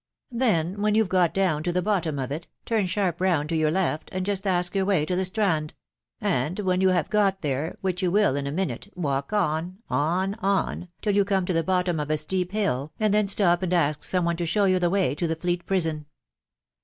Then, when you ve got down to the bottom of it, turn sharp round to your left, and just ask your way to the Strand; and when you have got there, which you will in a minute, walk on, on, on, till you come to the bottom of a steep hill, and then stop and ask some one to show you the way to the Fleet Prison.